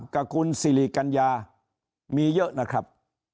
กับคุณสิริกัญญามีเยอะนะครับ